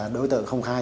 đối tượng không khai